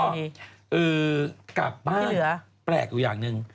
ก็กลับบ้านแปลกอยู่อย่างหนึ่ง